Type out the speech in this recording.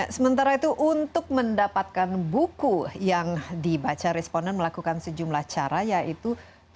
sementara itu untuk mendapatkan buku yang dibaca responden melakukan sejumlah cara yaitu